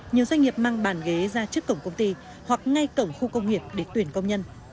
nhiều doanh nghiệp mang bàn ghế ra trước cổng công ty hoặc ngay cổng khu công nghiệp để tuyển công nhân